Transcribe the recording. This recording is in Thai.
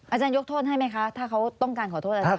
อาจารยกโทษให้ไหมคะถ้าเขาต้องการขอโทษอาจารย